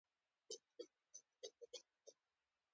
دوی د ټیکنالوژۍ پارکونه جوړ کړي دي.